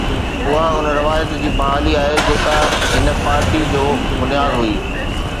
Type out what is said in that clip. اُها اُن روايت جي بحالي آهي، جيڪا هن پارٽيءَ جو بنياد هئي.